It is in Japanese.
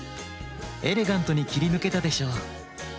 エレガントにきりぬけたでしょう？